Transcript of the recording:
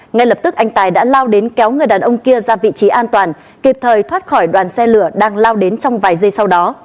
ngay lập tức anh tài đã lao đến kéo người đàn ông kia ra vị trí an toàn kịp thời thoát khỏi đoàn xe lửa đang lao đến trong vài giây sau đó